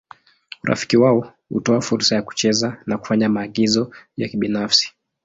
Urafiki wao hutoa fursa ya kucheza na kufanya maagizo ya kibinafsi.